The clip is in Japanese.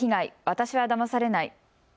私はだまされない。